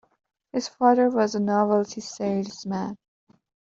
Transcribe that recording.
His father was a novelty salesman.